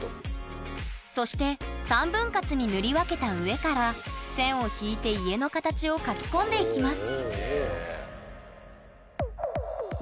そして３分割に塗り分けた上から線を引いて家の形を描き込んでいきます